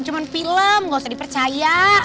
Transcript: cuma film gak usah dipercaya